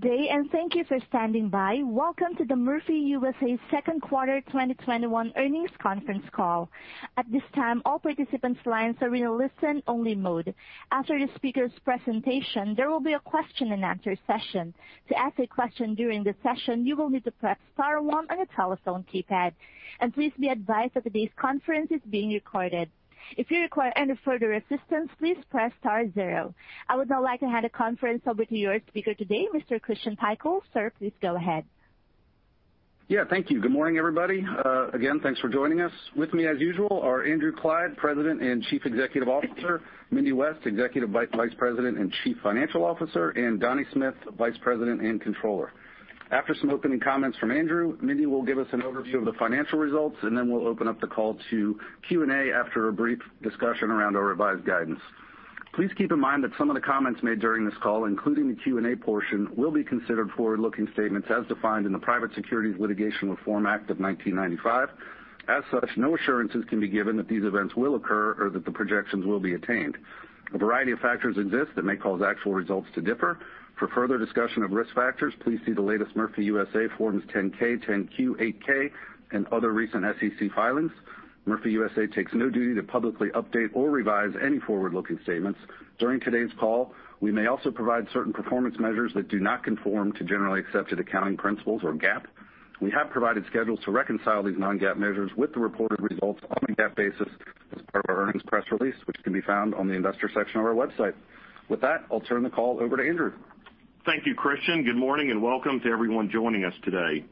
Good day, and thank you for standing by. Welcome to the Murphy USA Second Quarter 2021 Earnings Conference Call. I would now like to hand the conference over to your speaker today, Mr. Christian Pikul. Sir, please go ahead. Yeah, thank you. Good morning, everybody. Again, thanks for joining us. With me as usual are Andrew Clyde, President and Chief Executive Officer, Mindy West, Executive Vice President and Chief Financial Officer, and Donnie Smith, Vice President and Controller. After some opening comments from Andrew, Mindy will give us an overview of the financial results, then we'll open up the call to Q&A after a brief discussion around our revised guidance. Please keep in mind that some of the comments made during this call, including the Q&A portion, will be considered forward-looking statements as defined in the Private Securities Litigation Reform Act of 1995. As such, no assurances can be given that these events will occur or that the projections will be attained. A variety of factors exist that may cause actual results to differ. For further discussion of risk factors, please see the latest Murphy USA Forms 10-K, 10-Q, 8-K, and other recent SEC filings. Murphy USA takes no duty to publicly update or revise any forward-looking statements. During today's call, we may also provide certain performance measures that do not conform to generally accepted accounting principles or GAAP. We have provided schedules to reconcile these non-GAAP measures with the reported results on a GAAP basis as part of our earnings press release, which can be found on the investor section of our website. With that, I'll turn the call over to Andrew. Thank you, Christian. Good morning and welcome to everyone joining us today.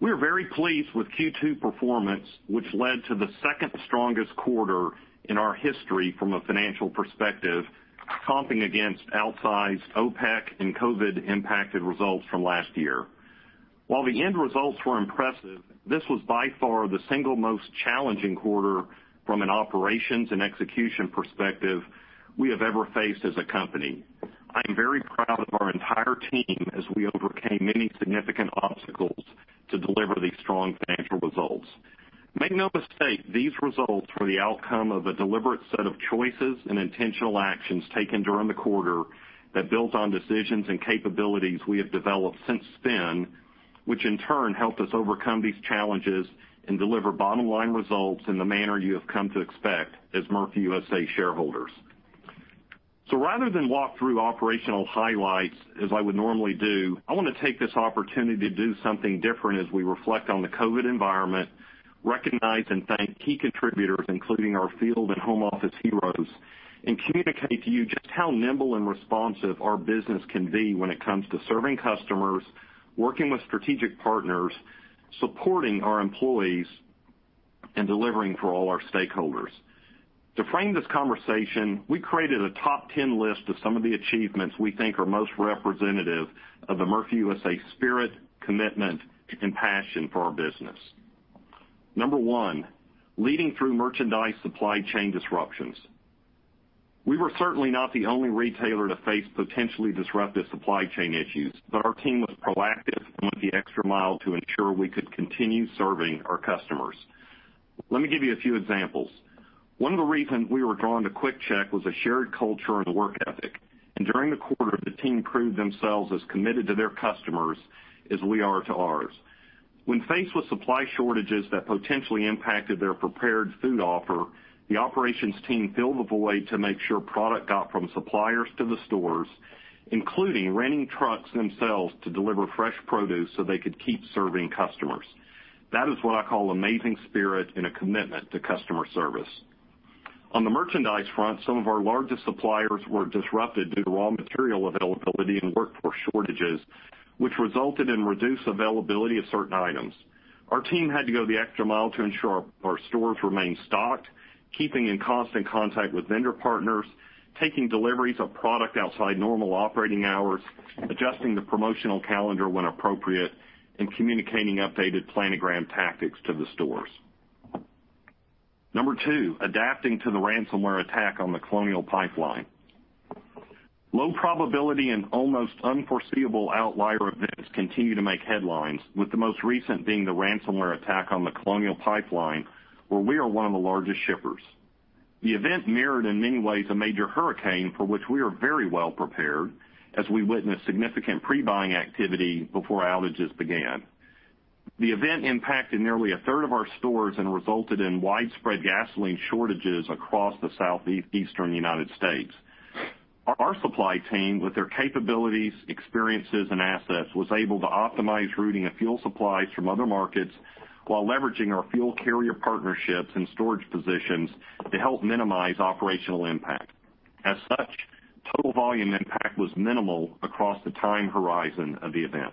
We are very pleased with Q2 performance, which led to the second strongest quarter in our history from a financial perspective, comping against outsized OPEC and COVID-impacted results from last year. While the end results were impressive, this was by far the single most challenging quarter from an operations and execution perspective we have ever faced as a company. I am very proud of our entire team as we overcame many significant obstacles to deliver these strong financial results. Make no mistake, these results were the outcome of a deliberate set of choices and intentional actions taken during the quarter that built on decisions and capabilities we have developed since spin, which in turn helped us overcome these challenges and deliver bottom-line results in the manner you have come to expect as Murphy USA shareholders. Rather than walk through operational highlights as I would normally do, I want to take this opportunity to do something different as we reflect on the COVID environment, recognize and thank key contributors, including our field and home office heroes, and communicate to you just how nimble and responsive our business can be when it comes to serving customers, working with strategic partners, supporting our employees, and delivering for all our stakeholders. To frame this conversation, we created a top 10 list of some of the achievements we think are most representative of the Murphy USA spirit, commitment, and passion for our business. Number one, leading through merchandise supply chain disruptions. We were certainly not the only retailer to face potentially disruptive supply chain issues, but our team was proactive and went the extra mile to ensure we could continue serving our customers. Let me give you a few examples. One of the reasons we were drawn to QuickChek was a shared culture and work ethic, and during the quarter, the team proved themselves as committed to their customers as we are to ours. When faced with supply shortages that potentially impacted their prepared food offer, the operations team filled the void to make sure product got from suppliers to the stores, including renting trucks themselves to deliver fresh produce so they could keep serving customers. That is what I call amazing spirit and a commitment to customer service. On the merchandise front, some of our largest suppliers were disrupted due to raw material availability and workforce shortages, which resulted in reduced availability of certain items. Our team had to go the extra mile to ensure our stores remained stocked, keeping in constant contact with vendor partners, taking deliveries of product outside normal operating hours, adjusting the promotional calendar when appropriate, and communicating updated planogram tactics to the stores. Number two, adapting to the ransomware attack on the Colonial Pipeline. Low probability and almost unforeseeable outlier events continue to make headlines, with the most recent being the ransomware attack on the Colonial Pipeline, where we are one of the largest shippers. The event mirrored in many ways a major hurricane for which we are very well prepared as we witnessed significant pre-buying activity before outages began. The event impacted nearly a third of our stores and resulted in widespread gasoline shortages across the southeastern U.S. Our supply team, with their capabilities, experiences, and assets, was able to optimize routing of fuel supplies from other markets while leveraging our fuel carrier partnerships and storage positions to help minimize operational impact. As such, total volume impact was minimal across the time horizon of the event.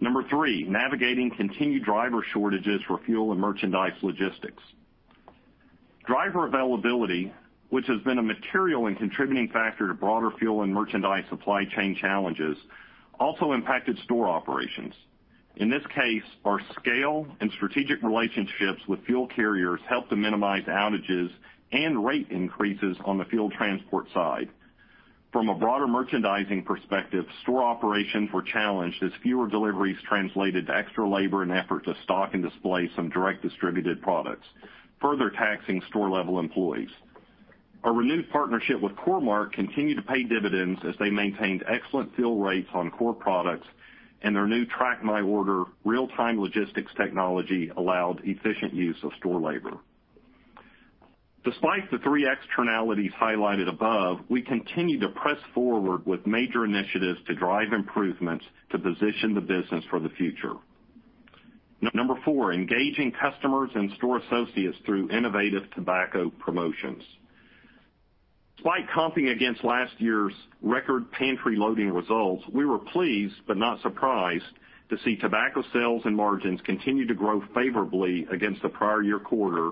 Number three, navigating continued driver shortages for fuel and merchandise logistics. Driver availability, which has been a material and contributing factor to broader fuel and merchandise supply chain challenges, also impacted store operations. In this case, our scale and strategic relationships with fuel carriers helped to minimize outages and rate increases on the fuel transport side. From a broader merchandising perspective, store operations were challenged as fewer deliveries translated to extra labor and effort to stock and display some direct distributed products, further taxing store-level employees. Our renewed partnership with Core-Mark continued to pay dividends as they maintained excellent fill rates on core products, and their new Track My Order real-time logistics technology allowed efficient use of store labor. Despite the three externalities highlighted above, we continue to press forward with major initiatives to drive improvements to position the business for the future. Number four, engaging customers and store associates through innovative tobacco promotions. Despite comping against last year's record pantry loading results, we were pleased but not surprised to see tobacco sales and margins continue to grow favorably against the prior year quarter,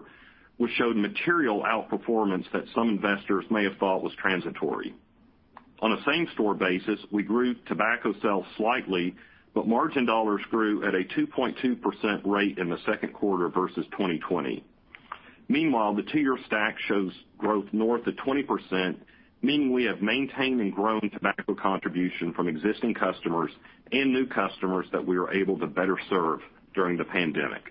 which showed material outperformance that some investors may have thought was transitory. On a same-store basis, we grew tobacco sales slightly, but margin dollars grew at a 2.2% rate in the second quarter versus 2020. The two-year stack shows growth north of 20%, meaning we have maintained and grown tobacco contribution from existing customers and new customers that we were able to better serve during the pandemic.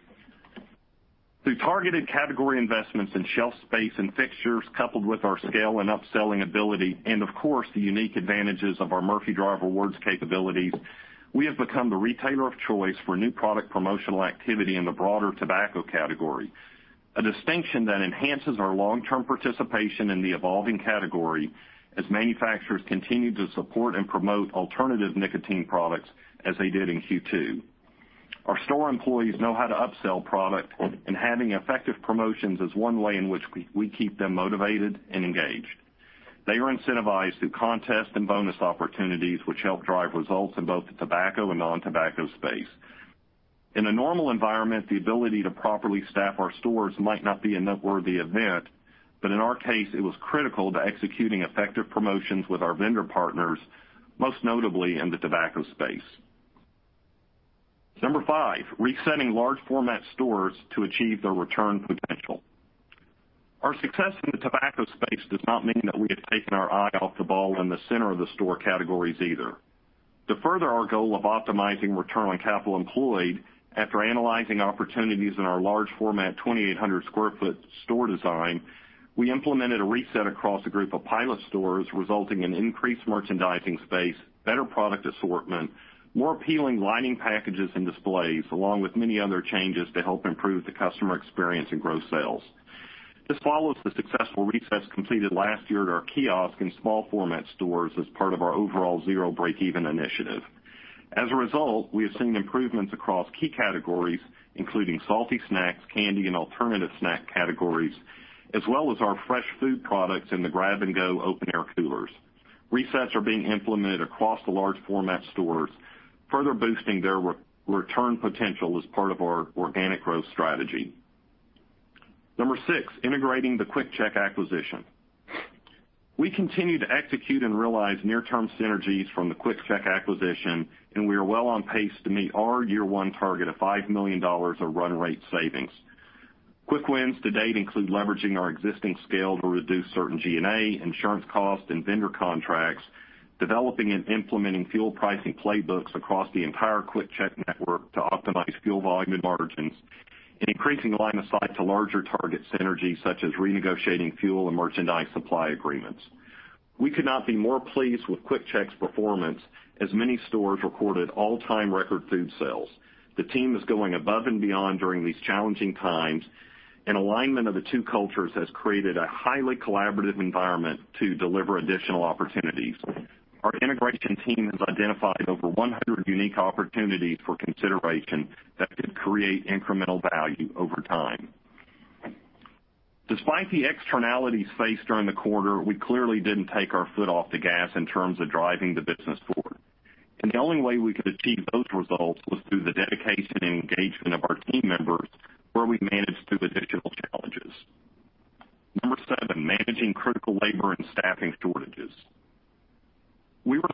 Through targeted category investments in shelf space and fixtures, coupled with our scale and upselling ability and, of course, the unique advantages of our Murphy Drive Rewards capabilities, we have become the retailer of choice for new product promotional activity in the broader tobacco category. A distinction that enhances our long-term participation in the evolving category as manufacturers continue to support and promote alternative nicotine products as they did in Q2. Our store employees know how to upsell product, and having effective promotions is one way in which we keep them motivated and engaged. They are incentivized through contests and bonus opportunities, which help drive results in both the tobacco and non-tobacco space. In a normal environment, the ability to properly staff our stores might not be a noteworthy event, but in our case, it was critical to executing effective promotions with our vendor partners, most notably in the tobacco space. Number five, resetting large format stores to achieve their return potential. Our success in the tobacco space does not mean that we have taken our eye off the ball in the center of the store categories either. To further our goal of optimizing return on capital employed, after analyzing opportunities in our large format 2,800 sq ft store design, we implemented a reset across a group of pilot stores, resulting in increased merchandising space, better product assortment, more appealing lighting packages and displays, along with many other changes to help improve the customer experience and grow sales. This follows the successful resets completed last year at our kiosk and small format stores as part of our overall Zero Breakeven Initiative. As a result, we have seen improvements across key categories, including salty snacks, candy, and alternative snack categories, as well as our fresh food products in the grab-and-go open air coolers. Resets are being implemented across the large format stores, further boosting their return potential as part of our organic growth strategy. Number 6, integrating the QuickChek acquisition. We continue to execute and realize near-term synergies from the QuickChek acquisition, and we are well on pace to meet our year one target of $5 million of run rate savings. Quick wins to date include leveraging our existing scale to reduce certain G&A, insurance costs, and vendor contracts, developing and implementing fuel pricing playbooks across the entire QuickChek network to optimize fuel volume and margins, and increasing line of sight to larger target synergies such as renegotiating fuel and merchandise supply agreements. We could not be more pleased with QuickChek's performance as many stores recorded all-time record food sales. The team is going above and beyond during these challenging times, and alignment of the two cultures has created a highly collaborative environment to deliver additional opportunities. Our integration team has identified over 100 unique opportunities for consideration that could create incremental value over time. Despite the externalities faced during the quarter, we clearly didn't take our foot off the gas in terms of driving the business forward. The only way we could achieve those results was through the dedication and engagement of our team members, where we managed through additional challenges. Number 7, managing critical labor and staffing shortages. We were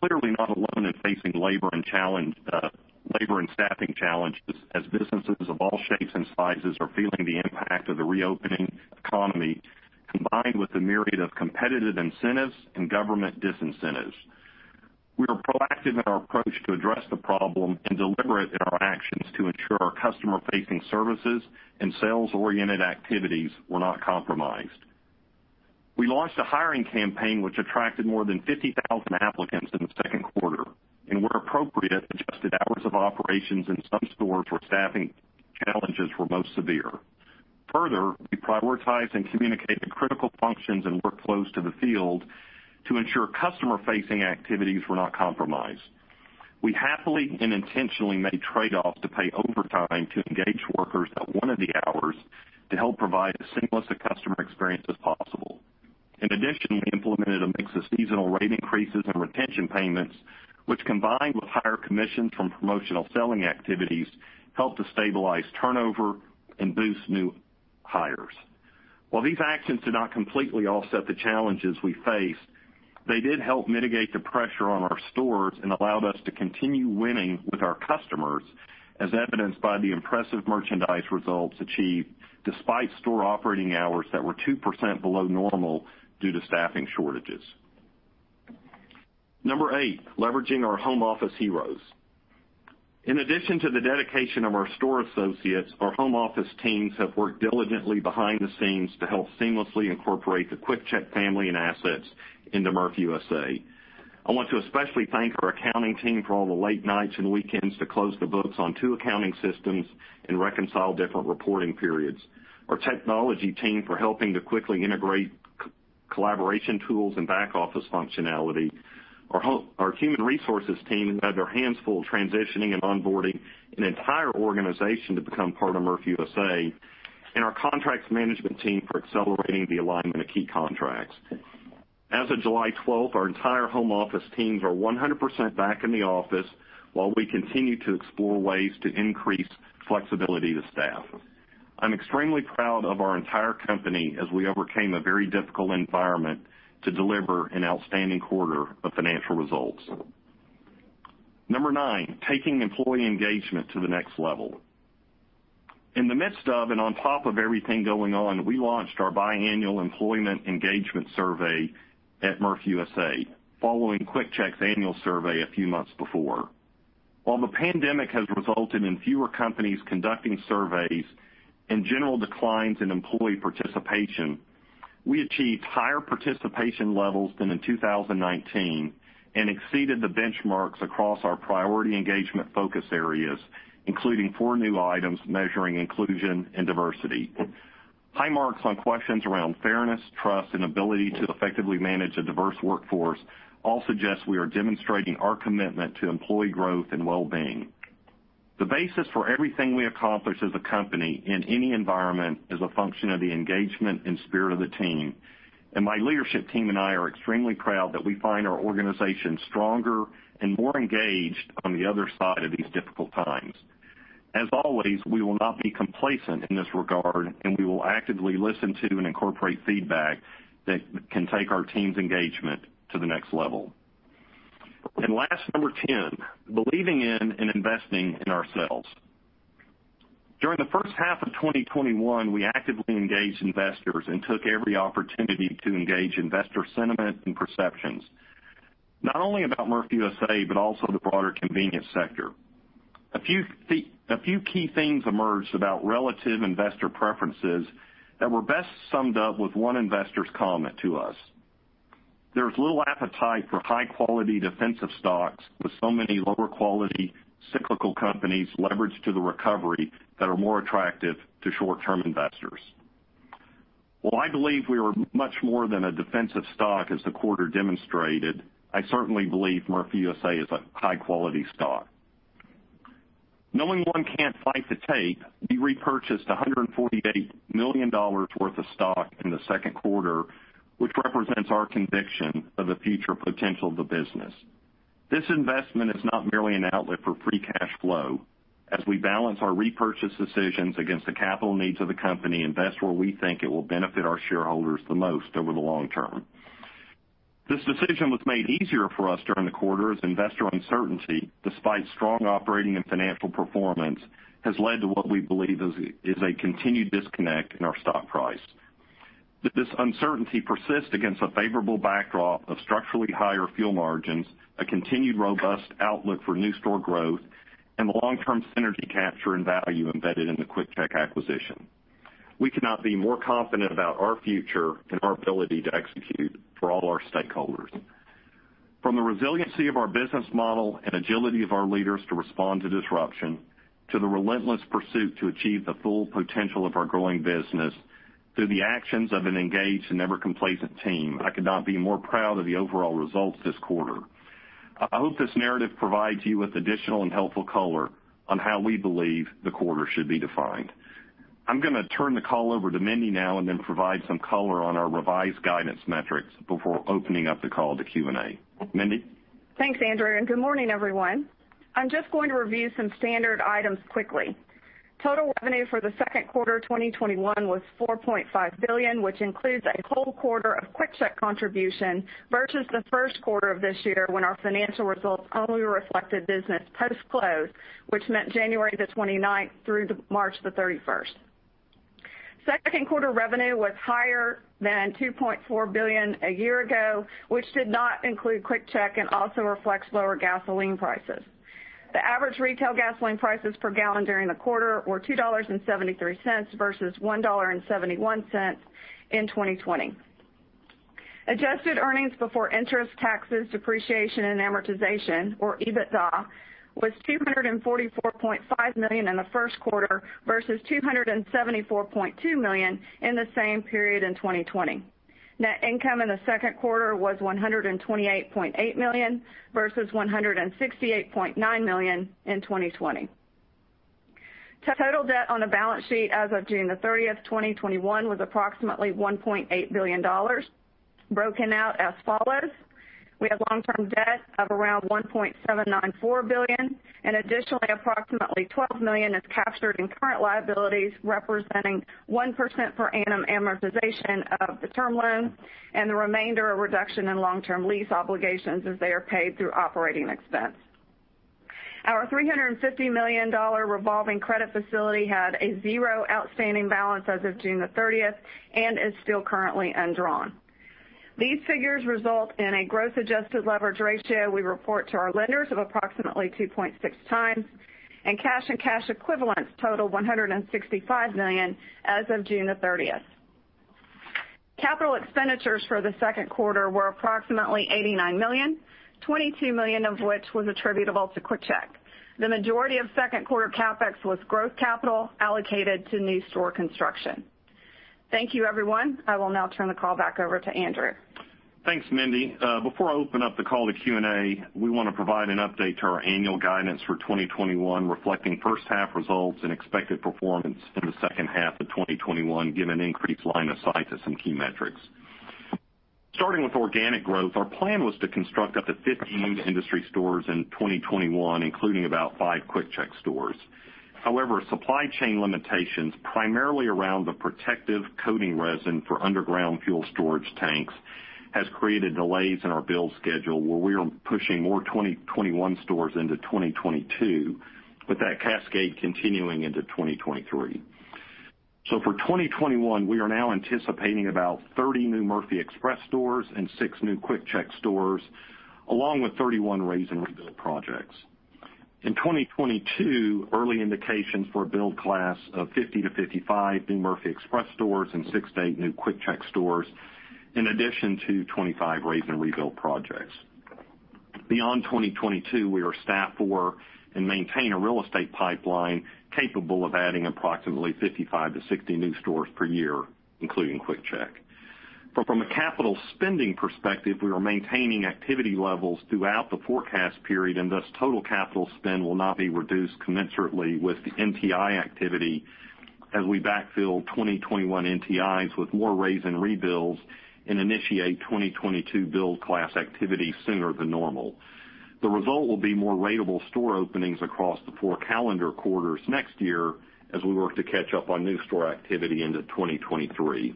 clearly not alone in facing labor and staffing challenges as businesses of all shapes and sizes are feeling the impact of the reopening economy, combined with the myriad of competitive incentives and government disincentives. We were proactive in our approach to address the problem and deliberate in our actions to ensure our customer-facing services and sales-oriented activities were not compromised. We launched a hiring campaign which attracted more than 50,000 applicants in the second quarter, and where appropriate, adjusted hours of operations in some stores where staffing challenges were most severe. Further, we prioritized and communicated critical functions and workflows to the field to ensure customer-facing activities were not compromised. We happily and intentionally made trade-offs to pay overtime to engage workers at one of the hours to help provide as seamless a customer experience as possible. In addition, we implemented a mix of seasonal rate increases and retention payments, which, combined with higher commissions from promotional selling activities, helped to stabilize turnover and boost new hires. While these actions did not completely offset the challenges we faced, they did help mitigate the pressure on our stores and allowed us to continue winning with our customers, as evidenced by the impressive merchandise results achieved despite store operating hours that were 2% below normal due to staffing shortages. Number 8, leveraging our home office heroes. In addition to the dedication of our store associates, our home office teams have worked diligently behind the scenes to help seamlessly incorporate the QuickChek family and assets into Murphy USA. I want to especially thank our accounting team for all the late nights and weekends to close the books on two accounting systems and reconcile different reporting periods, our technology team for helping to quickly integrate collaboration tools and back office functionality, our human resources team who had their hands full transitioning and onboarding an entire organization to become part of Murphy USA, and our contracts management team for accelerating the alignment of key contracts. As of July 12th, our entire home office teams are 100% back in the office while we continue to explore ways to increase flexibility to staff. I'm extremely proud of our entire company as we overcame a very difficult environment to deliver an outstanding quarter of financial results. Number 9, taking employee engagement to the next level. In the midst of and on top of everything going on, we launched our biannual employee engagement survey at Murphy USA, following QuickChek's annual survey a few months before. While the pandemic has resulted in fewer companies conducting surveys and general declines in employee participation, we achieved higher participation levels than in 2019 and exceeded the benchmarks across our priority engagement focus areas, including four new items measuring inclusion and diversity. High marks on questions around fairness, trust, and ability to effectively manage a diverse workforce all suggest we are demonstrating our commitment to employee growth and well-being. The basis for everything we accomplish as a company in any environment is a function of the engagement and spirit of the team. My leadership team and I are extremely proud that we find our organization stronger and more engaged on the other side of these difficult times. As always, we will not be complacent in this regard. We will actively listen to and incorporate feedback that can take our team's engagement to the next level. Last, number 10, believing in and investing in ourselves. During the first half of 2021, we actively engaged investors and took every opportunity to engage investor sentiment and perceptions, not only about Murphy USA, but also the broader convenience sector. A few key things emerged about relative investor preferences that were best summed up with one investor's comment to us. There's little appetite for high-quality defensive stocks with so many lower quality cyclical companies leveraged to the recovery that are more attractive to short-term investors. While I believe we are much more than a defensive stock as the quarter demonstrated, I certainly believe Murphy USA is a high-quality stock. Knowing one can't fight the tape, we repurchased $148 million worth of stock in the second quarter, which represents our conviction of the future potential of the business. This investment is not merely an outlet for free cash flow, as we balance our repurchase decisions against the capital needs of the company and invest where we think it will benefit our shareholders the most over the long term. This decision was made easier for us during the quarter as investor uncertainty, despite strong operating and financial performance, has led to what we believe is a continued disconnect in our stock price. This uncertainty persists against a favorable backdrop of structurally higher fuel margins, a continued robust outlook for new store growth, and the long-term synergy capture and value embedded in the QuickChek acquisition. We could not be more confident about our future and our ability to execute for all our stakeholders. From the resiliency of our business model and agility of our leaders to respond to disruption, to the relentless pursuit to achieve the full potential of our growing business, through the actions of an engaged and never complacent team, I could not be more proud of the overall results this quarter. I hope this narrative provides you with additional and helpful color on how we believe the quarter should be defined. I'm going to turn the call over to Mindy now and then provide some color on our revised guidance metrics before opening up the call to Q&A. Mindy? Thanks, Andrew. Good morning, everyone. I'm just going to review some standard items quickly. Total revenue for the second quarter 2021 was $4.5 billion, which includes a whole quarter of QuickChek contribution versus the first quarter of this year when our financial results only reflected business post-close, which meant January 29th through March 31st. Second quarter revenue was higher than $2.4 billion a year ago, which did not include QuickChek and also reflects lower gasoline prices. The average retail gasoline prices per gallon during the quarter were $2.73 versus $1.71 in 2020. Adjusted earnings before interest, taxes, depreciation, and amortization, or EBITDA, was $244.5 million in the first quarter versus $274.2 million in the same period in 2020. Net income in the second quarter was $128.8 million versus $168.9 million in 2020. Total debt on the balance sheet as of June 30, 2021, was approximately $1.8 billion, broken out as follows. We have long-term debt of around $1.794 billion, and additionally, approximately $12 million is captured in current liabilities, representing 1% per annum amortization of the term loan and the remainder a reduction in long-term lease obligations as they are paid through operating expense. Our $350 million revolving credit facility had a zero outstanding balance as of June 30, and is still currently undrawn. These figures result in a gross adjusted leverage ratio we report to our lenders of approximately 2.6x, and cash and cash equivalents total $165 million as of June 30. Capital expenditures for the second quarter were approximately $89 million, $22 million of which was attributable to QuickChek. The majority of second quarter CapEx was growth capital allocated to new store construction. Thank you, everyone. I will now turn the call back over to Andrew. Thanks, Mindy. Before I open up the call to Q&A, we want to provide an update to our annual guidance for 2021, reflecting first half results and expected performance in the second half of 2021, given increased line of sight to some key metrics. Starting with organic growth, our plan was to construct up to 15 industry stores in 2021, including about five QuickChek stores. However, supply chain limitations, primarily around the protective coating resin for underground fuel storage tanks, has created delays in our build schedule where we are pushing more 2021 stores into 2022, with that cascade continuing into 2023. For 2021, we are now anticipating about 30 new Murphy Express stores and six new QuickChek stores, along with 31 raze-and-rebuild projects. In 2022, early indications for a build class of 50-55 new Murphy Express stores and six to eight new QuickChek stores, in addition to 25 raze-and-rebuild projects. Beyond 2022, we are staffed for and maintain a real estate pipeline capable of adding approximately 55-60 new stores per year, including QuickChek. From a capital spending perspective, we are maintaining activity levels throughout the forecast period, and thus total capital spend will not be reduced commensurately with the NTI activity as we backfill 2021 NTIs with more raze-and-rebuilds and initiate 2022 build class activity sooner than normal. The result will be more ratable store openings across the four calendar quarters next year as we work to catch up on new store activity into 2023.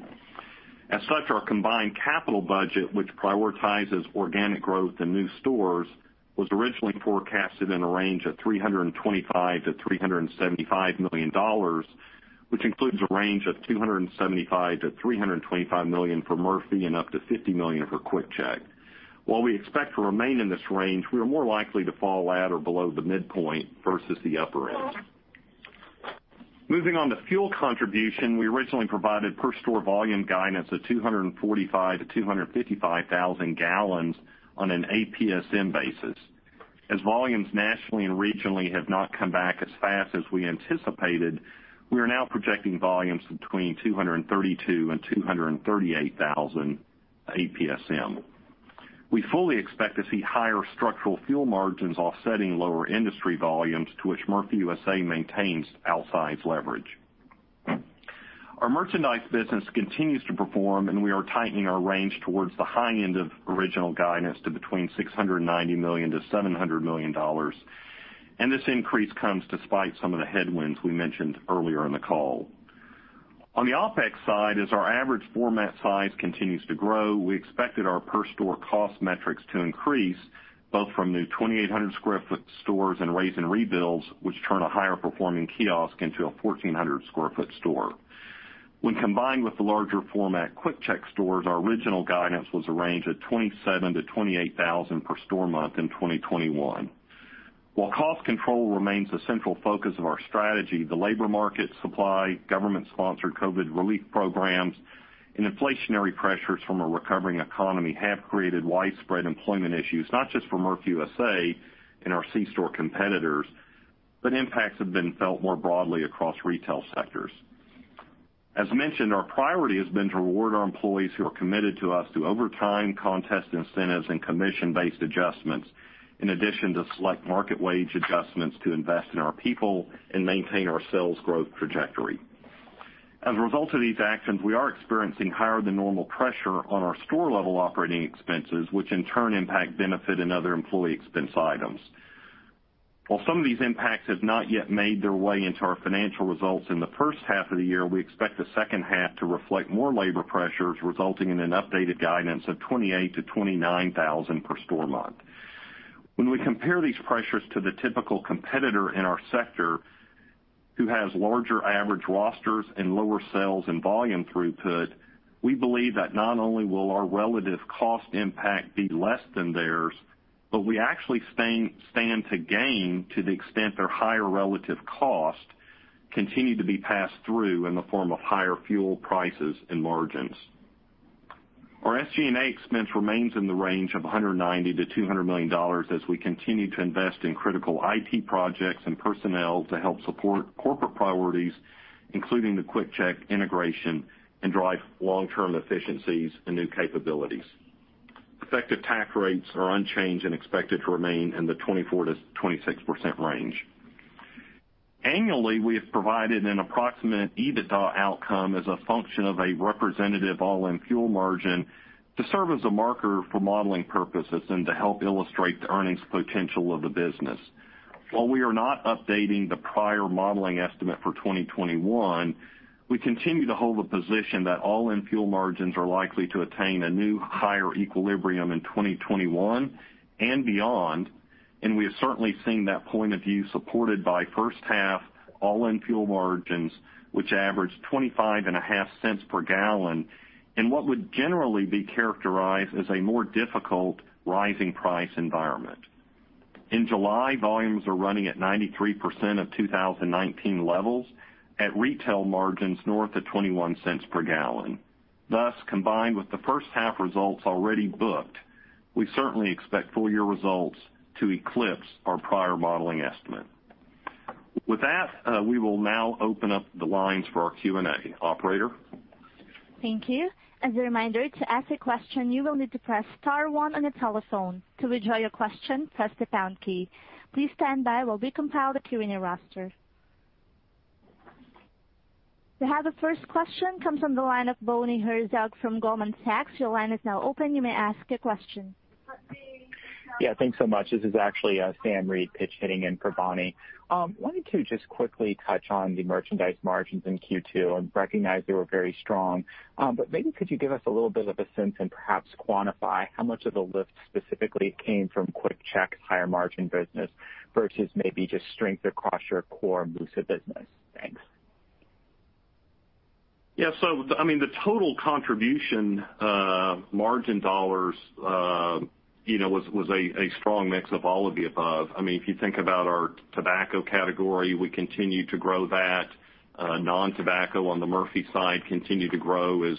As such, our combined capital budget, which prioritizes organic growth and new stores, was originally forecasted in a range of $325 million-$375 million, which includes a range of $275 million-$325 million for Murphy and up to $50 million for QuickChek. While we expect to remain in this range, we are more likely to fall at or below the midpoint versus the upper end. Moving on to fuel contribution, we originally provided per store volume guidance of 245,000-255,000 gallons on an APSM basis. As volumes nationally and regionally have not come back as fast as we anticipated, we are now projecting volumes between 232,000 and 238,000 APSM. We fully expect to see higher structural fuel margins offsetting lower industry volumes to which Murphy USA maintains outsized leverage. Our merchandise business continues to perform. We are tightening our range towards the high end of original guidance to between $690 million-$700 million. This increase comes despite some of the headwinds we mentioned earlier in the call. On the OpEx side, as our average format size continues to grow, we expected our per store cost metrics to increase, both from new 2,800 square foot stores and raze-and-rebuilds, which turn a higher performing kiosk into a 1,400 square foot store. When combined with the larger format QuickChek stores, our original guidance was a range of 27,000-28,000 per store month in 2021. While cost control remains a central focus of our strategy, the labor market supply, government-sponsored COVID relief programs, and inflationary pressures from a recovering economy have created widespread employment issues, not just for Murphy USA and our C-store competitors, but impacts have been felt more broadly across retail sectors. As mentioned, our priority has been to reward our employees who are committed to us through overtime, contest incentives, and commission-based adjustments, in addition to select market wage adjustments to invest in our people and maintain our sales growth trajectory. As a result of these actions, we are experiencing higher than normal pressure on our store-level operating expenses, which in turn impact benefit and other employee expense items. While some of these impacts have not yet made their way into our financial results in the first half of the year, we expect the second half to reflect more labor pressures, resulting in an updated guidance of 28,000-29,000 per store month. When we compare these pressures to the typical competitor in our sector who has larger average rosters and lower sales and volume throughput, we believe that not only will our relative cost impact be less than theirs, but we actually stand to gain to the extent their higher relative cost continue to be passed through in the form of higher fuel prices and margins. Our SG&A expense remains in the range of $190 million-$200 million as we continue to invest in critical IT projects and personnel to help support corporate priorities, including the QuickChek integration and drive long-term efficiencies and new capabilities. Effective tax rates are unchanged and expected to remain in the 24%-26% range. Annually, we have provided an approximate EBITDA outcome as a function of a representative all-in fuel margin to serve as a marker for modeling purposes and to help illustrate the earnings potential of the business. While we are not updating the prior modeling estimate for 2021, we continue to hold the position that all-in fuel margins are likely to attain a new higher equilibrium in 2021 and beyond, and we have certainly seen that point of view supported by first half all-in fuel margins, which averaged $0.255 per gallon in what would generally be characterized as a more difficult rising price environment. In July, volumes are running at 93% of 2019 levels at retail margins north of $0.21 per gallon. Combined with the first half results already booked, we certainly expect full year results to eclipse our prior modeling estimate. With that, we will now open up the lines for our Q&A. Operator? Thank you. We have the first question, comes from the line of Bonnie Herzog from Goldman Sachs. Your line is now open. You may ask your question. Yeah, thanks so much. This is actually Sam Reid pitch hitting in for Bonnie. Wanted to just quickly touch on the merchandise margins in Q2 and recognize they were very strong. Maybe could you give us a little bit of a sense and perhaps quantify how much of the lift specifically came from QuickChek's higher margin business versus maybe just strength across your core Murphy USA business? Thanks. Yeah. The total contribution, margin dollars, was a strong mix of all of the above. If you think about our tobacco category, we continue to grow that. Non-tobacco on the Murphy continued to grow as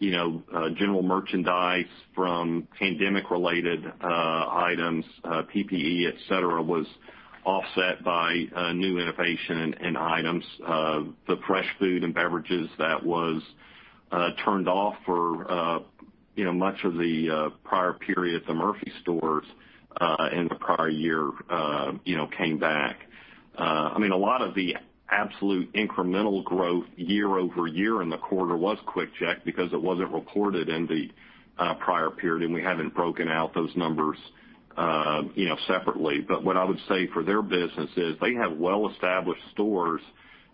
general merchandise from pandemic related items, PPE, et cetera, was offset by new innovation and items. The fresh food and beverages that was turned off for much of the prior period at the Murphy stores, in the prior year, came back. A lot of the absolute incremental growth year-over-year in the quarter was QuickChek because it wasn't recorded in the prior period, and we haven't broken out those numbers separately. What I would say for their business is they have well-established stores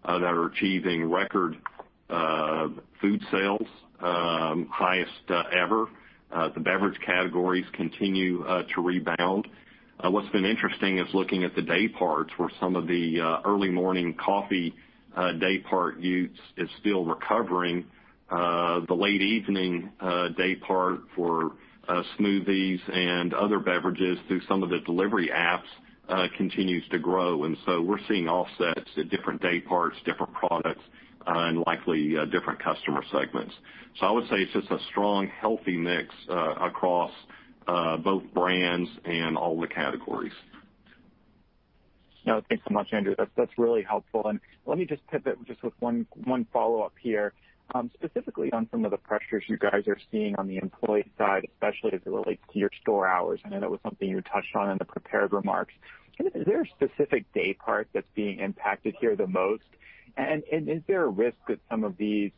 that are achieving record food sales, highest ever. The beverage categories continue to rebound. What's been interesting is looking at the day parts where some of the early morning coffee day part use is still recovering. The late evening day part for smoothies and other beverages through some of the delivery apps continues to grow. We're seeing offsets at different day parts, different products, and likely, different customer segments. I would say it's just a strong, healthy mix across both brands and all the categories. No, thanks so much, Andrew. That's really helpful. Let me just pivot just with one follow-up here. Specifically on some of the pressures you guys are seeing on the employee side, especially as it relates to your store hours. I know that was something you touched on in the prepared remarks. Is there a specific day part that's being impacted here the most? Is there a risk that some of these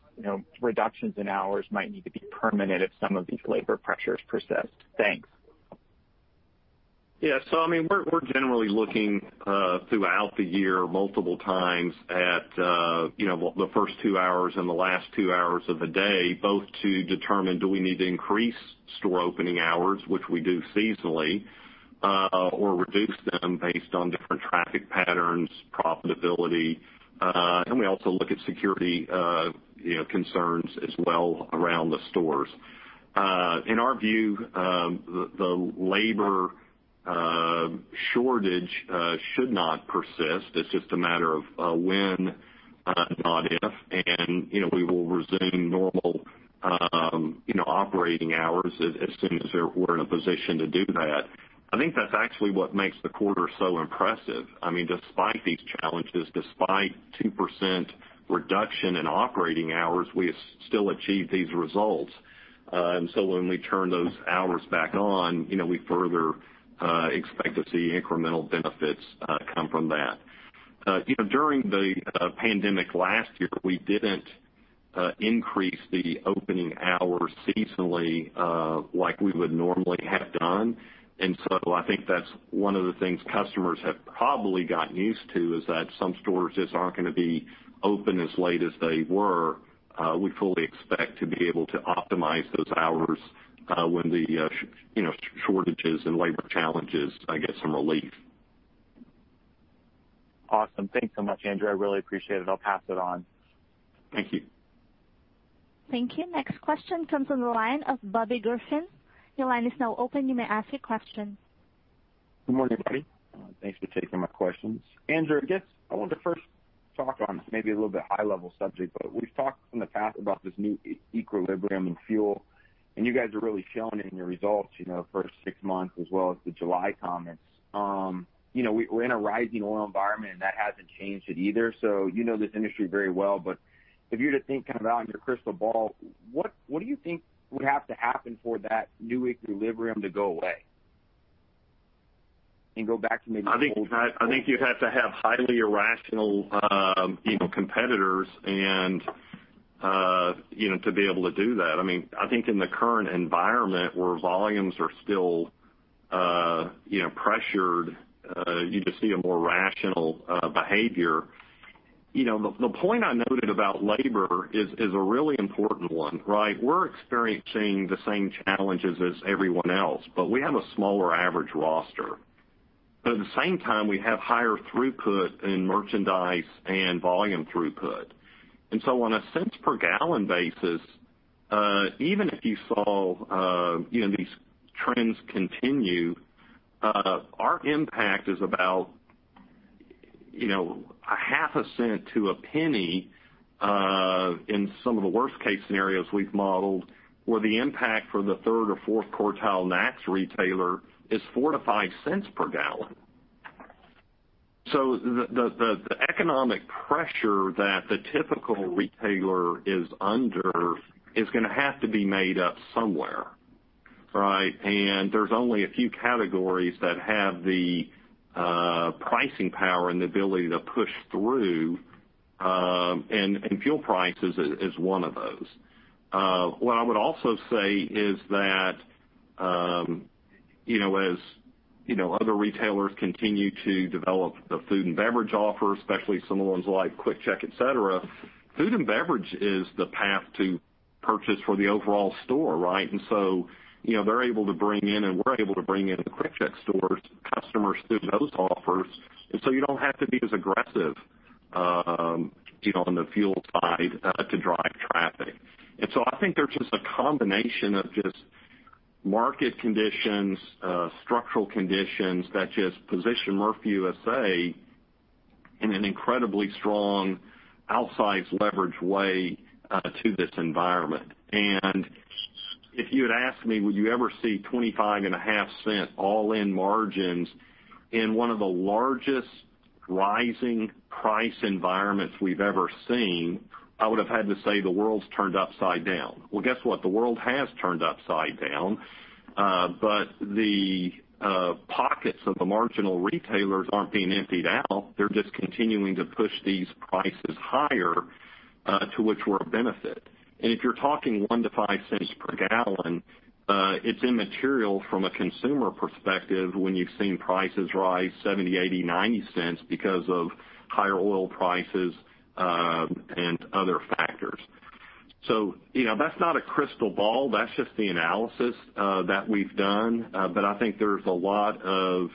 reductions in hours might need to be permanent if some of these labor pressures persist? Thanks. Yeah. We're generally looking throughout the year multiple times at the first two hours and the last two hours of the day, both to determine, do we need to increase store opening hours, which we do seasonally, or reduce them based on different traffic patterns, profitability. We also look at security concerns as well around the stores. In our view, the labor shortage should not persist. It's just a matter of when, not if. We will resume normal operating hours as soon as we're in a position to do that. I think that's actually what makes the quarter so impressive. Despite these challenges, despite 2% reduction in operating hours, we still achieved these results. When we turn those hours back on, we further expect to see incremental benefits come from that. During the pandemic last year, we didn't increase the opening hours seasonally, like we would normally have done. I think that's one of the things customers have probably gotten used to is that some stores just aren't going to be open as late as they were. We fully expect to be able to optimize those hours when the shortages and labor challenges get some relief. Awesome. Thanks so much, Andrew. I really appreciate it. I'll pass it on. Thank you. Thank you. Next question comes from the line of Bobby Griffin. Your line is now open. You may ask your question. Good morning, everybody. Thanks for taking my questions. Andrew, I guess I wanted to first talk on this maybe a little bit high level subject, but we've talked in the past about this new equilibrium in fuel, and you guys are really showing it in your results, first six months as well as the July comments. We're in a rising oil environment, that hasn't changed it either. You know this industry very well, but if you were to think kind of out in your crystal ball, what do you think would have to happen for that new equilibrium to go away? I think you'd have to have highly irrational competitors and to be able to do that. I think in the current environment where volumes are still pressured, you just see a more rational behavior. The point I noted about labor is a really important one, right? We're experiencing the same challenges as everyone else, but we have a smaller average roster. At the same time, we have higher throughput in merchandise and volume throughput. On a cents per gallon basis. Even if you saw these trends continue, our impact is about a half a cent to a penny in some of the worst case scenarios we've modeled, where the impact for the third or fourth quartile NACS retailer is $0.04-$0.05 per gallon. The economic pressure that the typical retailer is under is going to have to be made up somewhere, right? There's only a few categories that have the pricing power and the ability to push through, and fuel prices is one of those. What I would also say is that as other retailers continue to develop the food and beverage offer, especially some of the ones like QuickChek, et cetera, food and beverage is the path to purchase for the overall store, right? They're able to bring in, and we're able to bring in the QuickChek stores customers through those offers. You don't have to be as aggressive on the fuel side to drive traffic. I think there's just a combination of just market conditions, structural conditions that just position Murphy USA in an incredibly strong outsized leverage way to this environment. If you had asked me, would you ever see $0.255 all-in margins in one of the largest rising price environments we've ever seen, I would've had to say the world's turned upside down. Guess what? The world has turned upside down. The pockets of the marginal retailers aren't being emptied out. They're just continuing to push these prices higher, to which we're a benefit. If you're talking $0.01-$0.05 per gallon, it's immaterial from a consumer perspective when you've seen prices rise $0.70, $0.80, $0.90 because of higher oil prices and other factors. That's not a crystal ball, that's just the analysis that we've done. I think there's a lot of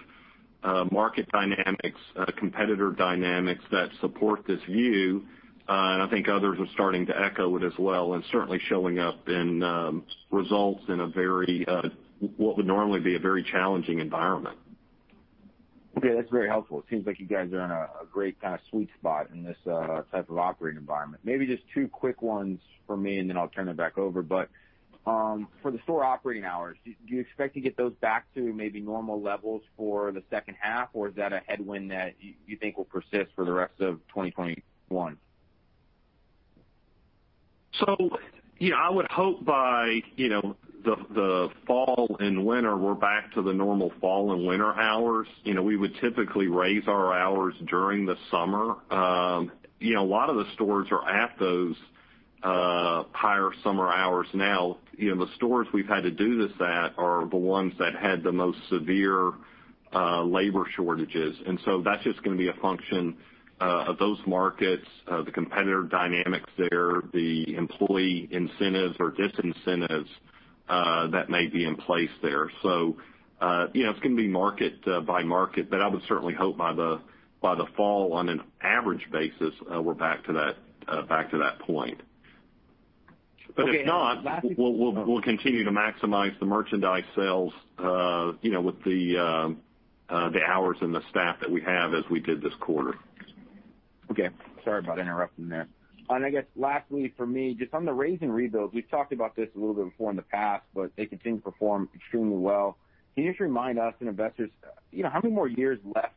market dynamics, competitor dynamics that support this view. I think others are starting to echo it as well, and certainly showing up in results in what would normally be a very challenging environment. Okay. That's very helpful. It seems like you guys are in a great kind of sweet spot in this type of operating environment. Maybe just two quick ones from me, and then I'll turn it back over. For the store operating hours, do you expect to get those back to maybe normal levels for the second half, or is that a headwind that you think will persist for the rest of 2021? I would hope by the fall and winter, we're back to the normal fall and winter hours. We would typically raise our hours during the summer. A lot of the stores are at those higher summer hours now. The stores we've had to do this at are the ones that had the most severe labor shortages. That's just going to be a function of those markets, the competitor dynamics there, the employee incentives or disincentives that may be in place there. It's going to be market by market, but I would certainly hope by the fall, on an average basis, we're back to that point. Okay. If not, we'll continue to maximize the merchandise sales with the hours and the staff that we have as we did this quarter. Okay. Sorry about interrupting there. I guess lastly for me, just on the raze-and-rebuild, we've talked about this a little bit before in the past, but they continue to perform extremely well. Can you just remind us and investors, how many more years left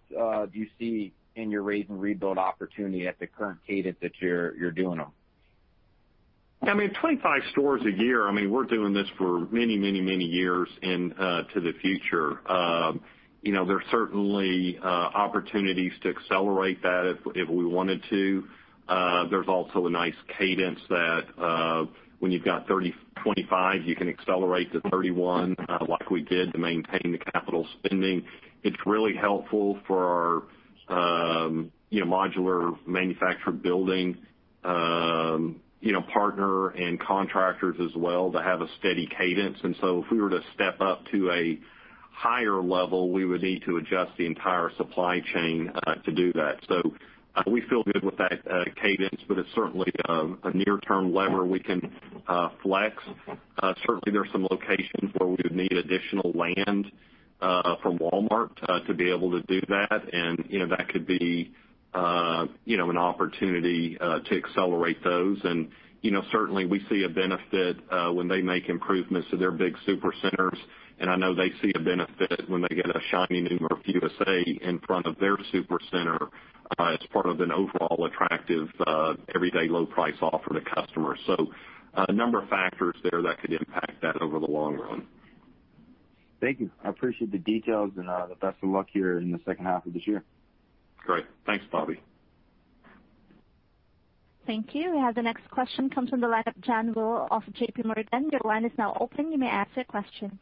do you see in your raze-and-rebuild opportunity at the current cadence that you're doing them? I mean, 25 stores a year. I mean, we're doing this for many years into the future. There's certainly opportunities to accelerate that if we wanted to. There's also a nice cadence that when you've got 25, you can accelerate to 31, like we did to maintain the capital spending. It's really helpful for our modular manufactured building partner and contractors as well to have a steady cadence. If we were to step up to a higher level, we would need to adjust the entire supply chain to do that. We feel good with that cadence, but it's certainly a near term lever we can flex. Certainly, there's some locations where we would need additional land from Walmart to be able to do that. That could be an opportunity to accelerate those. Certainly, we see a benefit when they make improvements to their big super centers. I know they see a benefit when they get a shiny new Murphy USA in front of their super center as part of an overall attractive everyday low price offer to customers. A number of factors there that could impact that over the long run. Thank you. I appreciate the details and the best of luck here in the second half of this year. Great. Thanks, Bobby. Thank you. We have the next question comes from the line of John Royall of JPMorgan. Your line is now open. You may ask your question.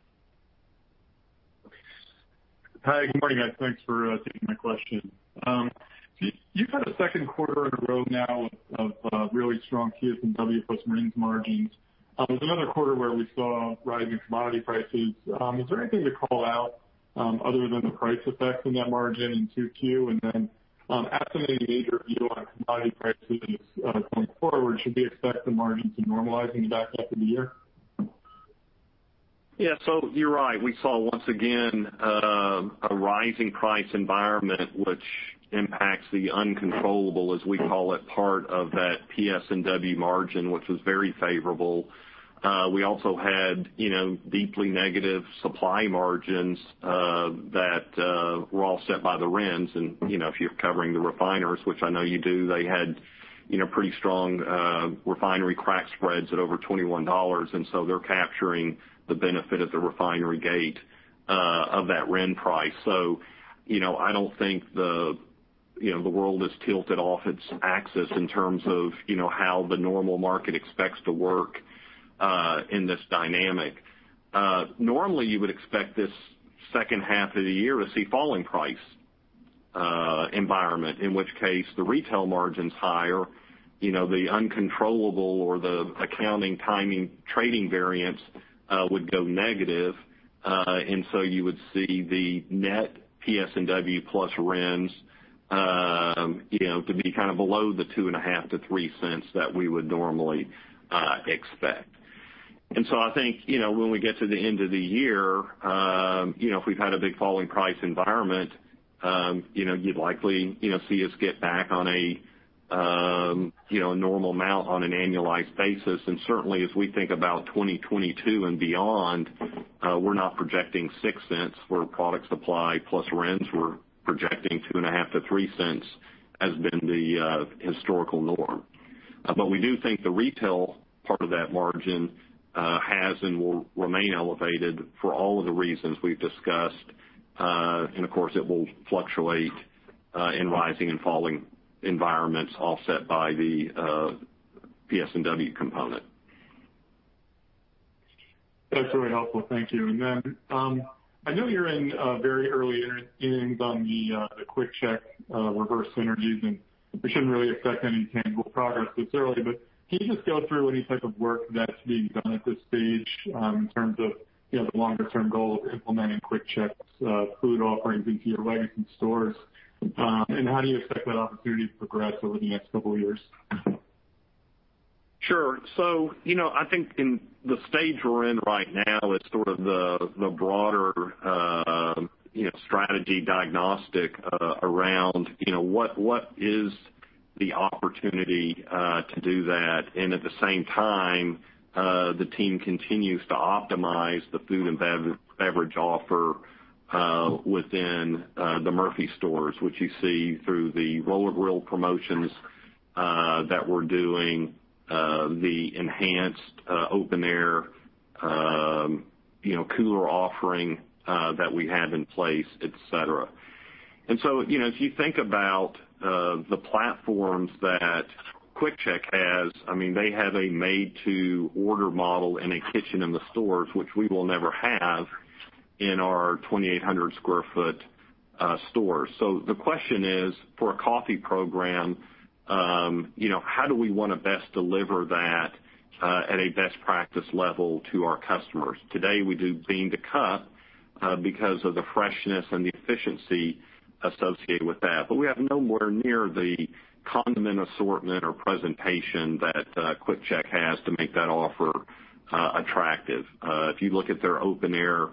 Hi, good morning, guys. Thanks for taking my question. You've had a second quarter in a row now of really strong PS&W plus margins. It was another quarter where we saw a rise in commodity prices. Is there anything to call out other than the price effects in that margin in 2Q? I'm asking a major view on commodity prices going forward. Should we expect the margin to normalize in the back half of the year? You're right. We saw, once again, a rising price environment which impacts the uncontrollable, as we call it, part of that PS&W margin, which was very favorable. We also had deeply negative supply margins that were all set by the RINs. If you're covering the refiners, which I know you do, they had pretty strong refinery crack spreads at over $21, and so they're capturing the benefit at the refinery gate of that RIN price. I don't think the world is tilted off its axis in terms of how the normal market expects to work in this dynamic. Normally, you would expect this second half of the year to see falling price environment, in which case the retail margin's higher, the uncontrollable or the accounting timing trading variance would go negative. You would see the net PS&W plus RINs to be below $0.025-$0.03 that we would normally expect. I think, when we get to the end of the year, if we've had a big falling price environment, you'd likely see us get back on a normal amount on an annualized basis. Certainly as we think about 2022 and beyond, we're not projecting $0.06 for product supply plus RINs. We're projecting $0.025-$0.03, has been the historical norm. We do think the retail part of that margin has and will remain elevated for all of the reasons we've discussed. Of course, it will fluctuate in rising and falling environments, offset by the PS&W component. That's very helpful. Thank you. I know you're in very early innings on the QuickChek reverse synergies, and we shouldn't really expect any tangible progress this early, but can you just go through any type of work that's being done at this stage in terms of the longer term goal of implementing QuickChek's food offerings into your legacy stores? How do you expect that opportunity to progress over the next couple of years? Sure. I think in the stage we're in right now, it's sort of the broader strategy diagnostic around what is the opportunity to do that. At the same time, the team continues to optimize the food and beverage offer within the Murphy stores, which you see through the roller grill promotions that we're doing, the enhanced open air cooler offering that we have in place, et cetera. If you think about the platforms that QuickChek has, they have a made to order model and a kitchen in the stores, which we will never have in our 2,800 square foot stores. The question is, for a coffee program, how do we want to best deliver that at a best practice level to our customers? Today, we do bean to cup because of the freshness and the efficiency associated with that. We have nowhere near the condiment assortment or presentation that QuickChek has to make that offer attractive. If you look at their open air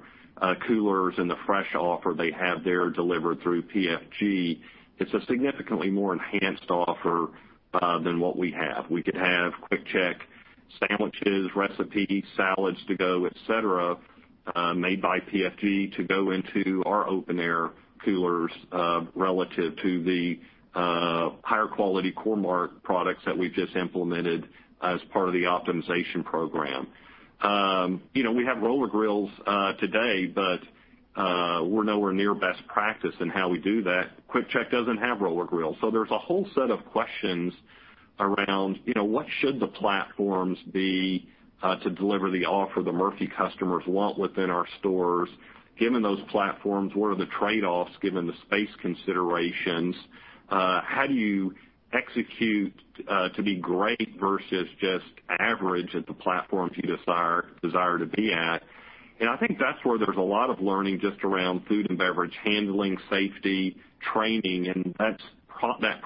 coolers and the fresh offer they have there delivered through PFG, it's a significantly more enhanced offer than what we have. We could have QuickChek sandwiches, recipes, salads to go, et cetera, made by PFG to go into our open air coolers, relative to the higher quality Core-Mark products that we've just implemented as part of the optimization program. We have roller grills today, but we're nowhere near best practice in how we do that. QuickChek doesn't have roller grills. There's a whole set of questions around what should the platforms be to deliver the offer the Murphy customers want within our stores, given those platforms, what are the trade-offs given the space considerations? How do you execute to be great versus just average at the platforms you desire to be at? I think that's where there's a lot of learning just around food and beverage handling, safety, training, and that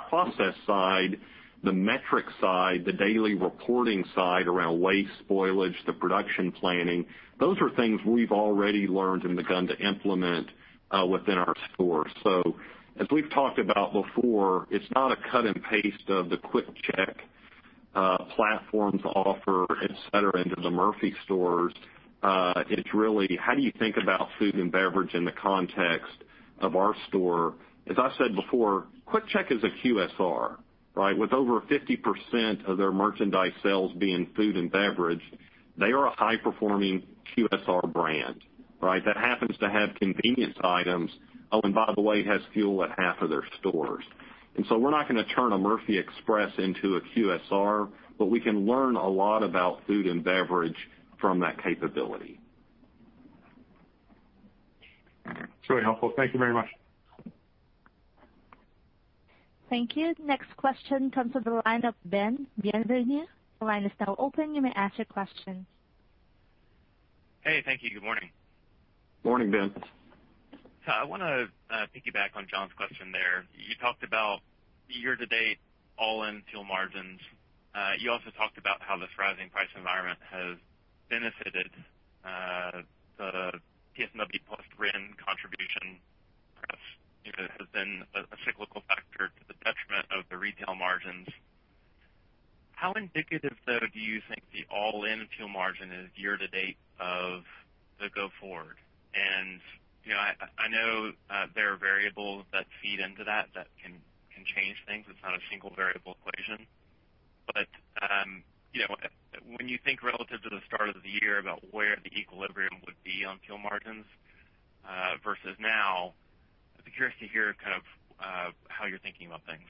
process side, the metric side, the daily reporting side around waste spoilage, the production planning. Those are things we've already learned and begun to implement within our stores. As we've talked about before, it's not a cut and paste of the QuickChek platforms offer, et cetera, into the Murphy stores. It's really how do you think about food and beverage in the context of our store? As I said before, QuickChek is a QSR, with over 50% of their merchandise sales being food and beverage. They are a high performing QSR brand that happens to have convenience items. By the way, it has fuel at half of their stores. We're not going to turn a Murphy Express into a QSR, but we can learn a lot about food and beverage from that capability. It's really helpful. Thank you very much. Thank you. Next question comes from the line of Ben Bienvenu. Your line is now open, you may ask a question. Hey, thank you. Good morning. Morning, Ben. I want to piggyback on John's question there. You talked about year-to-date all-in fuel margins. You also talked about how this rising price environment has benefited the PS&W plus RIN contribution. Perhaps, this has been a cyclical factor to the detriment of the retail margins. How indicative, though, do you think the all-in fuel margin is year-to-date of the go forward? I know there are variables that feed into that can change things. It's not a single variable equation. When you think relative to the start of the year about where the equilibrium would be on fuel margins versus now, I'd be curious to hear how you're thinking about things.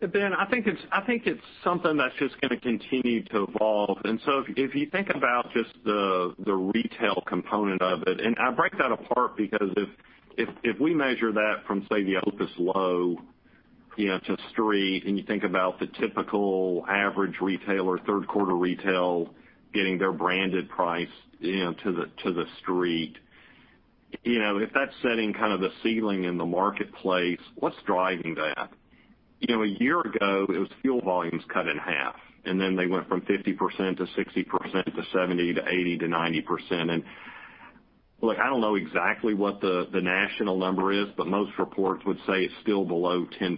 Ben, I think it's something that's just going to continue to evolve. If you think about just the retail component of it, and I break that apart because if we measure that from, say, the OPIS low to street, and you think about the typical average retailer, third quarter retail, getting their branded price to the street. If that's setting the ceiling in the marketplace, what's driving that? A year ago, it was fuel volumes cut in half, and then they went from 50% to 60% to 70% to 80% to 90%. Look, I don't know exactly what the national number is, but most reports would say it's still below 10%.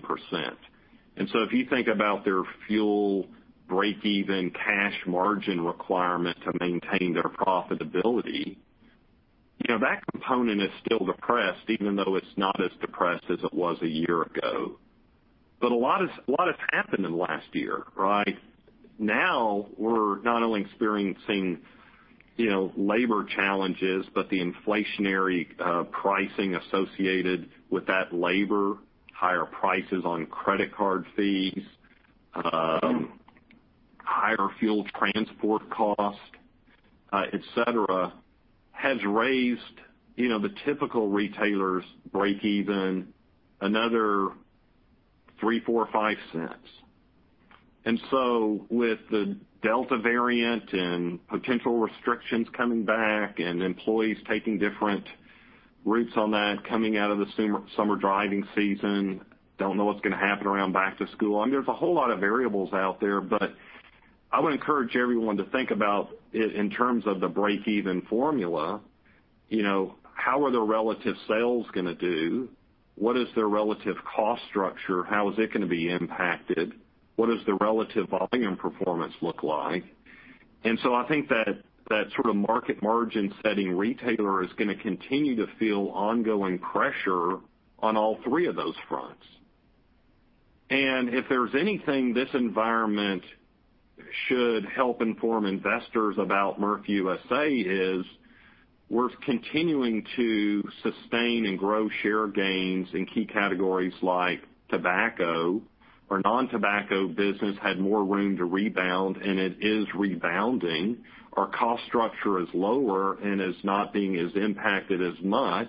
If you think about their fuel breakeven cash margin requirement to maintain their profitability, that component is still depressed, even though it's not as depressed as it was a year ago. A lot has happened in the last year, right? Now, we're not only experiencing labor challenges, but the inflationary pricing associated with that labor, higher prices on credit card fees, higher fuel transport cost, et cetera, has raised the typical retailer's breakeven another $0.03, $0.04, $0.05. With the Delta variant and potential restrictions coming back and employees taking different routes on that coming out of the summer driving season, don't know what's going to happen around back to school. There's a whole lot of variables out there. I would encourage everyone to think about it in terms of the breakeven formula. How are their relative sales going to do? What is their relative cost structure? How is it going to be impacted? What does their relative volume performance look like? I think that sort of market margin-setting retailer is going to continue to feel ongoing pressure on all three of those fronts. If there's anything this environment should help inform investors about Murphy USA is we're continuing to sustain and grow share gains in key categories like tobacco. Our non-tobacco business had more room to rebound, and it is rebounding. Our cost structure is lower and is not being as impacted as much.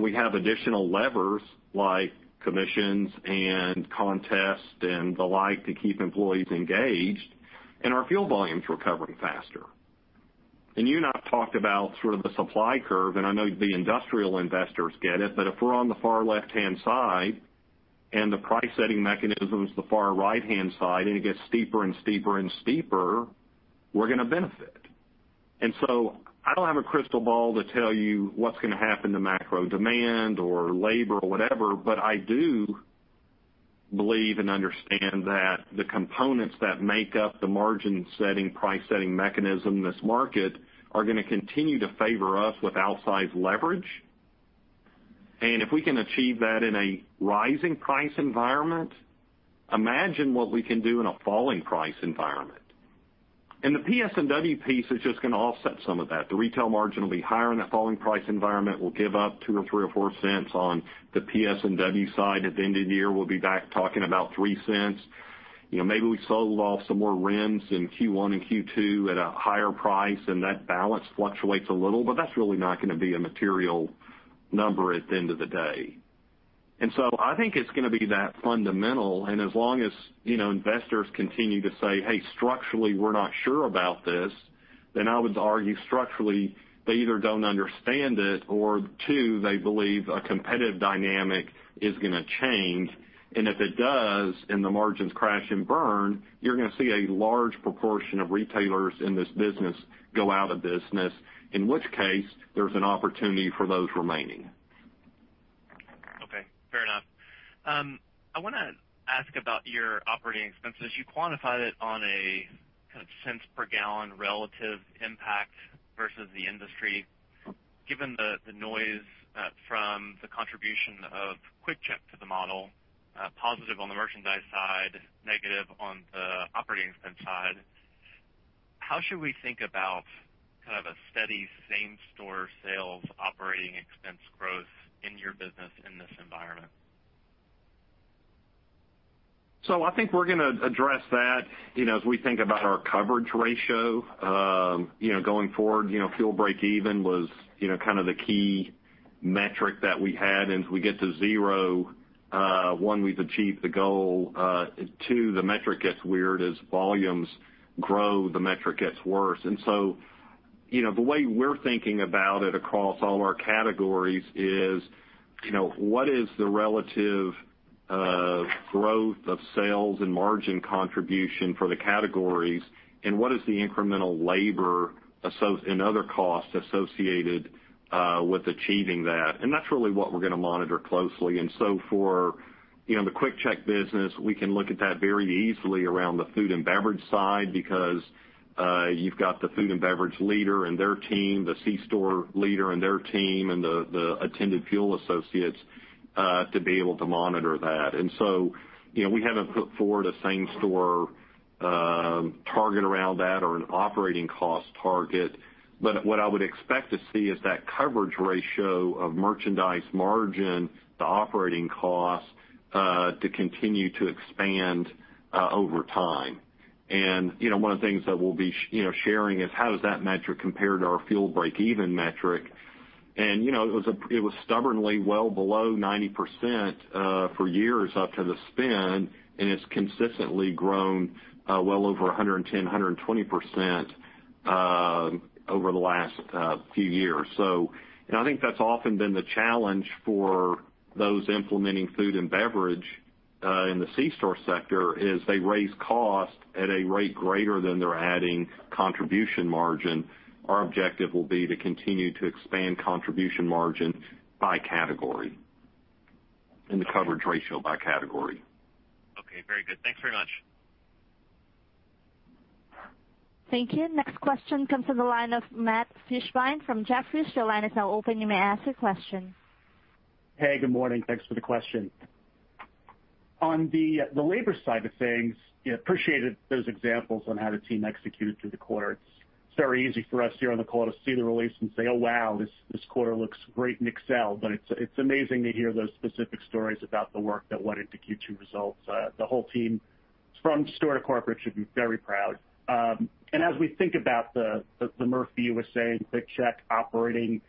We have additional levers like commissions and contests and the like to keep employees engaged. Our fuel volume's recovering faster. You and I have talked about the supply curve, and I know the industrial investors get it. If we're on the far left-hand side and the price-setting mechanism's the far right-hand side, and it gets steeper and steeper, we're going to benefit. I don't have a crystal ball to tell you what's going to happen to macro demand or labor or whatever, but I do believe and understand that the components that make up the margin-setting, price-setting mechanism in this market are going to continue to favor us with outsized leverage. If we can achieve that in a rising price environment, imagine what we can do in a falling price environment. The PS&W piece is just going to offset some of that. The retail margin will be higher in that falling price environment. We'll give up $0.02 or $0.03 or $0.04 on the PS&W side. At the end of the year, we'll be back talking about $0.03. Maybe we sold off some more RINs in Q1 and Q2 at a higher price, and that balance fluctuates a little, but that's really not going to be a material number at the end of the day. I think it's going to be that fundamental, and as long as investors continue to say, "Hey, structurally, we're not sure about this," then I would argue structurally, they either don't understand it or two, they believe a competitive dynamic is going to change. If it does and the margins crash and burn, you're going to see a large proportion of retailers in this business go out of business, in which case, there's an opportunity for those remaining. Okay. Fair enough. I want to ask about your operating expenses. You quantified it on a cents per gallon relative impact versus the industry. Given the noise from the contribution of QuickChek to the model, positive on the merchandise side, negative on the operating expense side, how should we think about a steady same-store sales operating expense growth in your business in this environment? I think we're going to address that as we think about our coverage ratio. Going forward, fuel breakeven was kind of the key metric that we had, and as we get to 0, one, we've achieved the goal, two, the metric gets weird. As volumes grow, the metric gets worse. The way we're thinking about it across all our categories is, what is the relative growth of sales and margin contribution for the categories, and what is the incremental labor and other costs associated with achieving that? That's really what we're going to monitor closely. For the QuickChek business, we can look at that very easily around the food and beverage side because you've got the food and beverage leader and their team, the C-Store leader and their team, and the attended fuel associates to be able to monitor that. We haven't put forward a same-store target around that or an operating cost target. What I would expect to see is that coverage ratio of merchandise margin to operating costs to continue to expand over time. One of the things that we'll be sharing is how does that metric compare to our fuel breakeven metric. It was stubbornly well below 90% for years up to the spin, and it's consistently grown well over 110%, 120% over the last few years. I think that's often been the challenge for those implementing food and beverage in the C-store sector, is they raise cost at a rate greater than they're adding contribution margin. Our objective will be to continue to expand contribution margin by category and the coverage ratio by category. Okay. Very good. Thanks very much. Thank you. Next question comes from the line of Matt Fishbein from Jefferies. Hey, good morning. Thanks for the question. On the labor side of things, appreciated those examples on how the team executed through the quarter. It's very easy for us here on the call to see the release and say, "Oh, wow, this quarter looks great in Excel." It's amazing to hear those specific stories about the work that went into Q2 results. The whole team from store to corporate should be very proud. As we think about the Murphy USA and QuickChek operating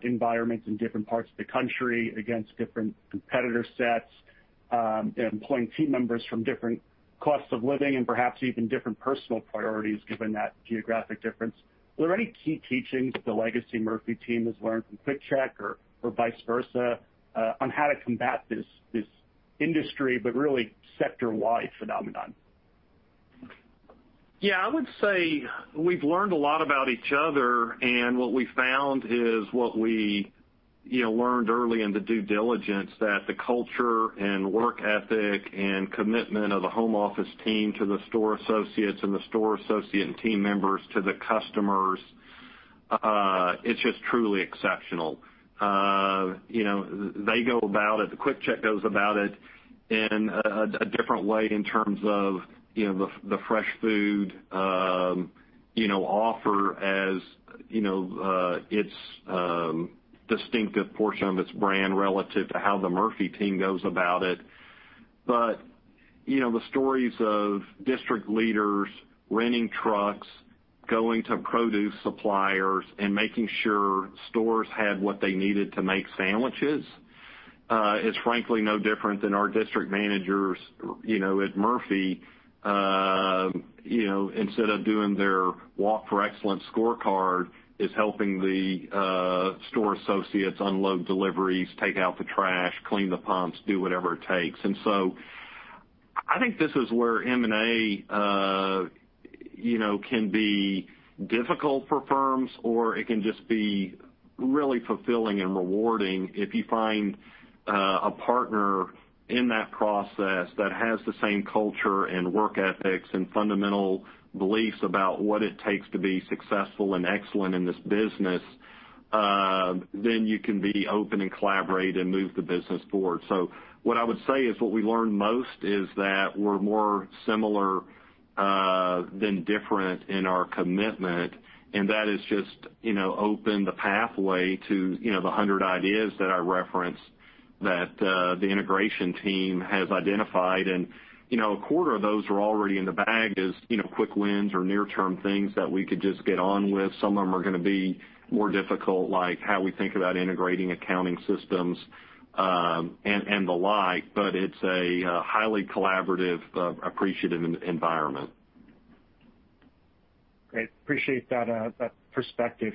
environments in different parts of the country against different competitor sets, employing team members from different costs of living and perhaps even different personal priorities given that geographic difference, were there any key teachings the legacy Murphy team has learned from QuickChek or vice versa on how to combat this industry, but really sector-wide phenomenon? Yeah, I would say we've learned a lot about each other, and what we found is what we learned early in the due diligence, that the culture and work ethic and commitment of the home office team to the store associates and the store associate team members to the customers, it's just truly exceptional. They go about it, the QuickChek goes about it in a different way in terms of the fresh food offer as its distinctive portion of its brand relative to how the Murphy team goes about it. The stories of district leaders renting trucks, going to produce suppliers, and making sure stores had what they needed to make sandwiches is frankly no different than our district managers at Murphy. Instead of doing their Walk for Excellence scorecard, is helping the store associates unload deliveries, take out the trash, clean the pumps, do whatever it takes. I think this is where M&A can be difficult for firms, or it can just be really fulfilling and rewarding if you find a partner in that process that has the same culture and work ethics and fundamental beliefs about what it takes to be successful and excellent in this business, then you can be open and collaborate and move the business forward. What I would say is what we learned most is that we're more similar than different in our commitment, and that has just opened the pathway to the 100 ideas that I referenced that the integration team has identified. A quarter of those are already in the bag as quick wins or near-term things that we could just get on with. Some of them are going to be more difficult, like how we think about integrating accounting systems, and the like, but it's a highly collaborative, appreciative environment. Great. Appreciate that perspective.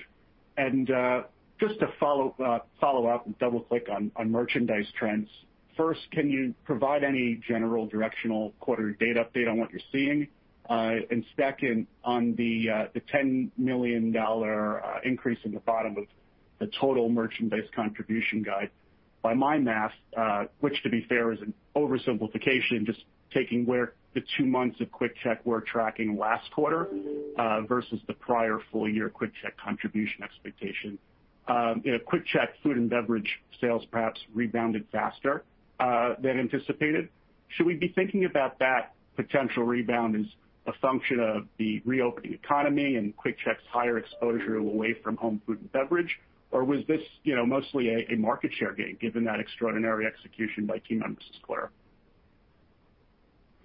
Just to follow up and double-click on merchandise trends. First, can you provide any general directional quarter date update on what you're seeing? Second, on the $10 million increase in the bottom of the total merchandise contribution guide. By my math, which to be fair is an oversimplification, just taking where the two months of QuickChek were tracking last quarter versus the prior full year QuickChek contribution expectation. QuickChek food and beverage sales perhaps rebounded faster than anticipated. Should we be thinking about that potential rebound as a function of the reopening economy and QuickChek's higher exposure away from home food and beverage, or was this mostly a market share gain given that extraordinary execution by team members,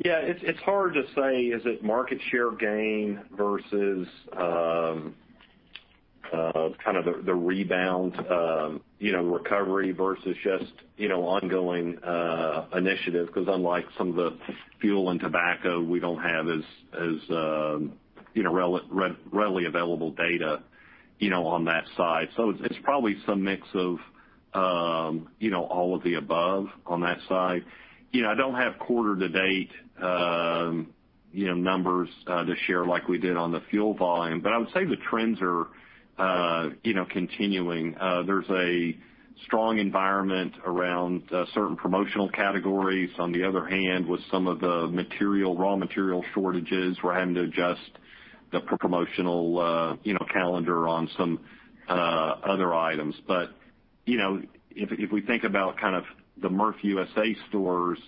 It's hard to say, is it market share gain versus the rebound, recovery versus just ongoing initiative? Because unlike some of the fuel and tobacco, we don't have as readily available data on that side. It's probably some mix of all of the above on that side. I don't have quarter to date numbers to share like we did on the fuel volume, but I would say the trends are continuing. There's a strong environment around certain promotional categories. On the other hand, with some of the raw material shortages, we're having to adjust the promotional calendar on some other items. If we think about kind of the Murphy USA stores,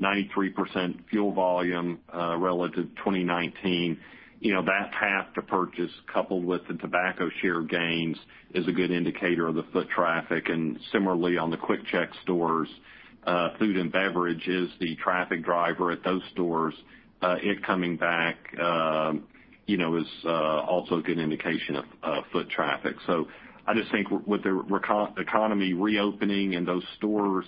93% fuel volume relative to 2019, that have to purchase coupled with the tobacco share gains is a good indicator of the foot traffic. Similarly, on the QuickChek stores, food and beverage is the traffic driver at those stores. It coming back is also a good indication of foot traffic. I just think with the economy reopening and those stores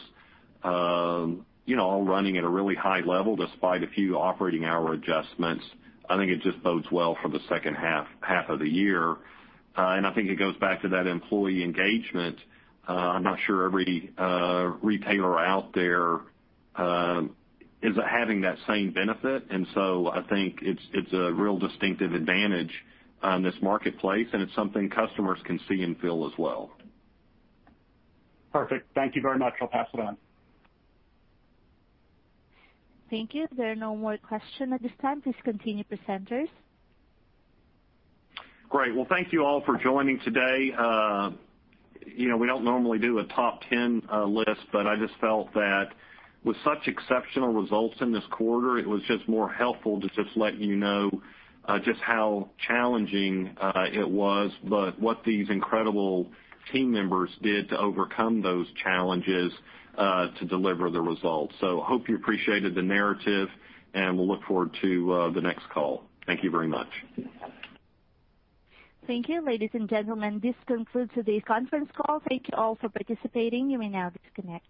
all running at a really high level despite a few operating hour adjustments, I think it just bodes well for the second half of the year. I think it goes back to that employee engagement. I'm not sure every retailer out there is having that same benefit. I think it's a real distinctive advantage on this marketplace, and it's something customers can see and feel as well. Perfect. Thank you very much. I'll pass it on. Thank you. There are no more question at this time. Please continue, presenters. Great. Thank you all for joining today. We don't normally do a top 10 list, but I just felt that with such exceptional results in this quarter, it was just more helpful to just let you know just how challenging it was, but what these incredible team members did to overcome those challenges to deliver the results. Hope you appreciated the narrative, and we'll look forward to the next call. Thank you very much. Thank you, ladies and gentlemen. This concludes today's conference call. Thank you all for participating. You may now disconnect.